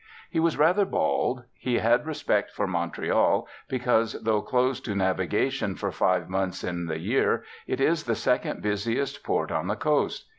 He was rather bald. He had respect for Montreal, because, though closed to navigation for five months in the year, it is the second busiest port on the coast.